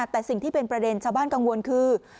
แต่สิ่งที่เป็นประเด็นชาวบ้านกังวลคือ